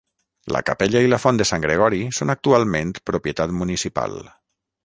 La capella i la font de Sant Gregori són actualment propietat municipal.